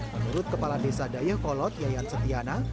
menurut kepala desa dayakolot yayan setiana